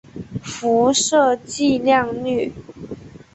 辐射剂量率。